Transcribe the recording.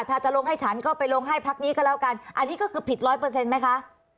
ถ้าจะลงให้ฉันก็ไปลงให้พักนี้ก็แล้วกันอันนี้ก็คือผิดร้อยเปอร์เซ็นต์ไหมคะ